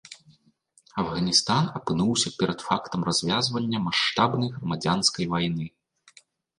Афганістан апынуўся перад фактам развязвання маштабнай грамадзянскай вайны.